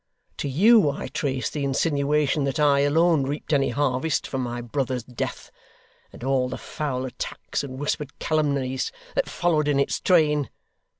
To you I traced the insinuation that I alone reaped any harvest from my brother's death; and all the foul attacks and whispered calumnies that followed in its train.